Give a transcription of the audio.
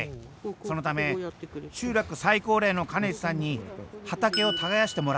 そのため集落最高齢の兼治さんに畑を耕してもらっている。